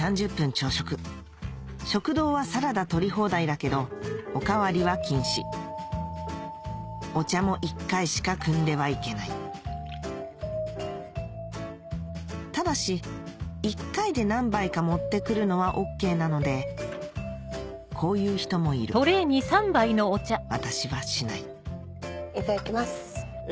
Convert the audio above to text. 朝食食堂はサラダ取り放題だけどお代わりは禁止お茶も１回しかくんではいけないただし１回で何杯か持ってくるのはＯＫなのでこういう人もいる私はしないいただきます。